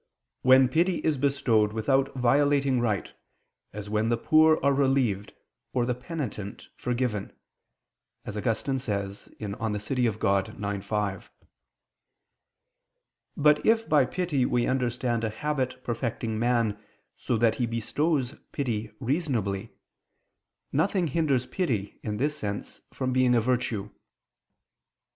"when pity is bestowed without violating right, as when the poor are relieved, or the penitent forgiven," as Augustine says (De Civ. Dei ix, 5). But if by pity we understand a habit perfecting man so that he bestows pity reasonably, nothing hinders pity, in this sense, from being a virtue.